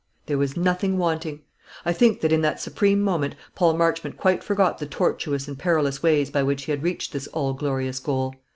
There was nothing wanting. I think that in that supreme moment Paul Marchmont quite forgot the tortuous and perilous ways by which he had reached this all glorious goal.